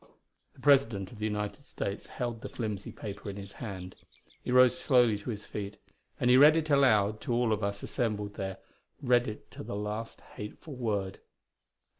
The President of the United States held the flimsy paper in his hand. He rose slowly to his feet, and he read it aloud to all of us assembled there; read it to the last hateful word.